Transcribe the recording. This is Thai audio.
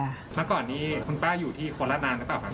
เมื่อก่อนนี้คุณป้าอยู่ที่คนละนานหรือเปล่าครับ